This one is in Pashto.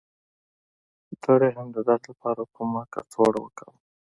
د رحم د درد لپاره کومه کڅوړه وکاروم؟